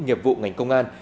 nhiệp vụ ngành công an